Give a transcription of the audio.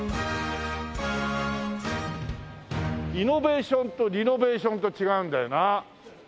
イノベーションとリノベーションと違うんだよな。